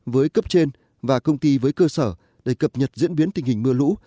với cấp trên và công ty với cơ sở để cập nhật diễn biến tình hình mưa lũ